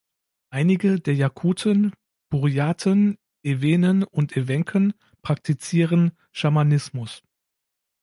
Einige der Jakuten, Burjaten, Ewenen und Ewenken praktizieren Schamanismus.